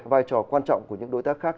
vai trò quan trọng của những đối tác khác